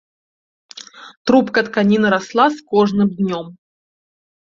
Трубка тканіны расла з кожным днём.